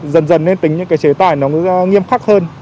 dần dần nên tính những cái chế tài nó mới nghiêm khắc hơn